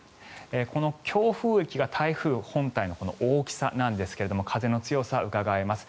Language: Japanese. この強風域が台風本体の大きさなんですが風の強さがうかがえます。